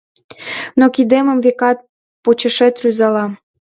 Но кидемым, векат, почешет рӱзалам